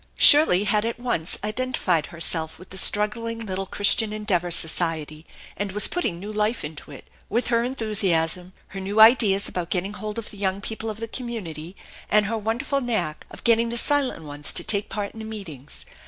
Shirley had at once identified herself with the struggling little Christian Endeavor society and was putting new life into it, with her enthusiasm, her new ideas about getting hold of the young people of the community, and her wonderful knack of getting the silent ones to te ke part in the meetings.